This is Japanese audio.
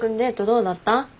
どうだった？